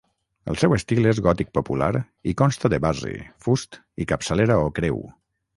El seu estil és gòtic popular i consta de base, fust i capçalera o creu.